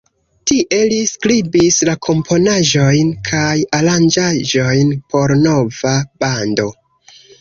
Tie, li skribis la komponaĵojn kaj aranĝaĵojn por nova bando.